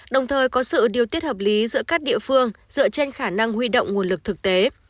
đồng thời có sự điều tiết hợp lý giữa các địa phương dựa trên khả năng huy động nguồn lực thực tế